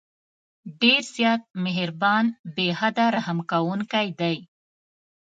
ډېر زیات مهربان، بې حده رحم كوونكى دى.